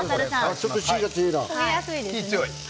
ちょっと火が強いな。